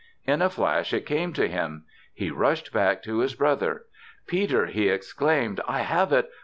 In a flash it came to him. He rushed back to his brother. "Peter," he exclaimed; "I have it!